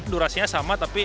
durasinya sama tapi